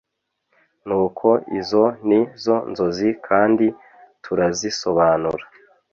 nuko izo ni zo nzozi kandi turazisobanura